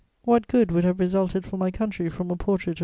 What good would have resulted for my country from a portrait of M.